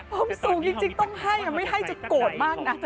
ผมสูงจริงต้องให้ไม่ให้จะโกรธมากนะ